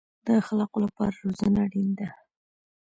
د اخلاقو لپاره روزنه اړین ده